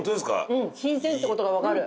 うん新鮮って事がわかる。